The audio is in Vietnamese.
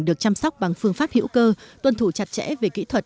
được chăm sóc bằng phương pháp hữu cơ tuân thủ chặt chẽ về kỹ thuật